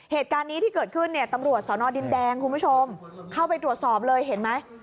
เหตุการณ์นี้ที่เกิดขึ้นเนี่ยตำรวจสอนอดินแดงคุณผู้ชมเข้าไปตรวจสอบเลยเห็นไหม